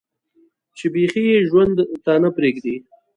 چې بيخي ئې ژوند ته نۀ پرېږدي